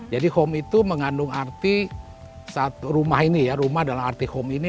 jadi home itu mengandung arti rumah ini ya rumah dalam arti home ini